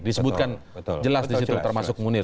disebutkan jelas di situ termasuk munir